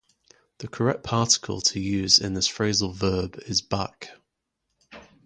The correct particle to use in this phrasal verb is "back".